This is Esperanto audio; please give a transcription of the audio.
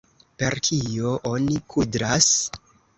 Per kio oni kudras?